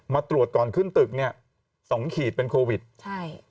มาตรวจก่อนขึ้นตึกเนี้ยสองขีดเป็นโควิดใช่